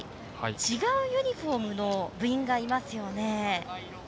違うユニフォームの部員がいます。